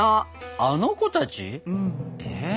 あの子たち？